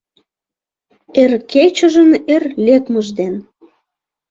Эр кечыжын эр лекмыж ден